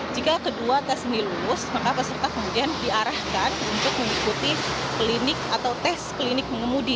jika kedua tes ini lulus maka peserta kemudian diarahkan untuk mengikuti klinik atau tes klinik mengemudi